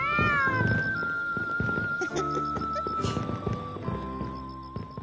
フフフフフ。